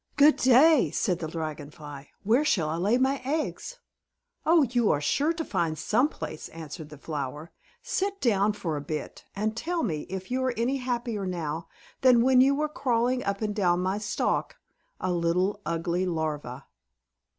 "Good day," said the Dragon Fly. "Where shall I lay my eggs?" "Oh, you are sure to find some place," answered the flower. "Sit down for a bit, and tell me if you are any happier now than when you were crawling up and down my stalk, a little ugly Larva."